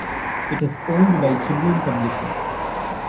It is owned by Tribune Publishing.